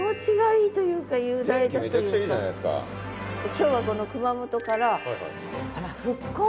今日はこの熊本から復興。